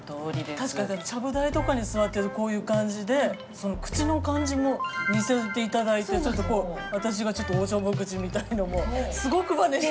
確かにちゃぶ台とかに座ってるとこういう感じで口の感じも似せて頂いてちょっとこう私がちょっとおちょぼ口みたいのもすごくまねして。